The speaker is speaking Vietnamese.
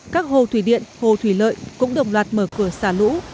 các hồ thủy điện hồ thủy lợi cũng đồng loạt mở cửa xả lũ